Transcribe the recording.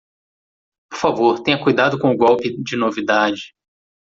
Por favor, tenha cuidado com o golpe de novidade